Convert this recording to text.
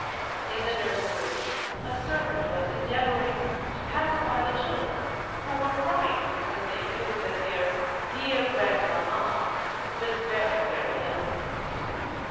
In the nursery, a servant was endeavouring to pacify the children, who were crying because they knew that their 'dear grandmamma,' was very, very ill.